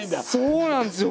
そうなんですよ。